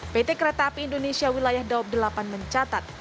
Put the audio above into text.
pt kereta api indonesia wilayah daob delapan mencatat